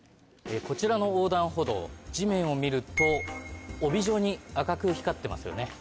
こちらの横断歩道地面を見ると帯状に赤く光ってますよね。